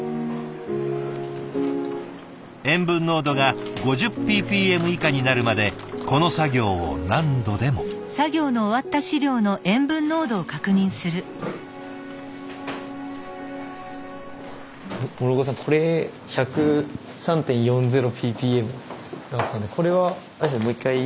塩分濃度が５０ｐｐｍ以下になるまでこの作業を何度でも。これ１０３．４０ｐｐｍだったんでこれはあれですよねもう一回？